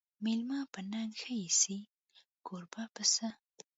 مېلمه په ننګ ښه ایسي، کوربه په صت